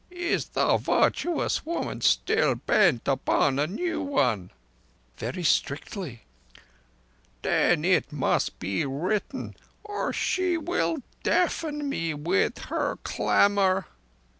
Is the virtuous woman still bent upon a new one?" "Very strictly." "Then it must be written, or she will deafen me with her clamour."